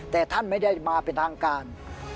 แต่ท่านไม่ได้มาเป็นทางการ